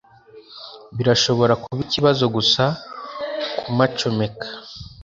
Birashobora kuba ikibazo gusa kumacomeka